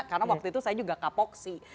karena waktu itu saya juga kapok sih